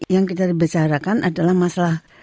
yang kita bicarakan adalah masalah